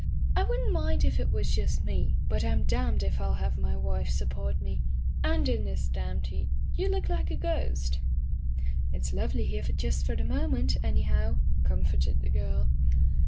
"I wouldn't mind if it was just me, but I'm danmed if I'll have my wife support me — ^and in this damned heat — ^you look like a ghost." " It's lovely here just for the moment, any how," comforted the girl.